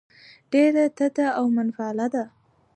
ډېره تته او منفعله ده.